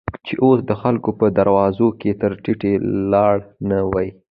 چې اوس دخلکو په دروازو، کې سر تيټى ولاړ نه وې.